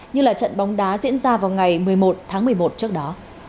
như là trận bóng đá diễn ra vào ngày một mươi một tháng một mươi một trước đó